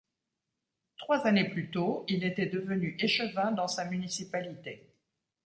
Trois années plus tôt, il était devenu échevin dans sa municipalité.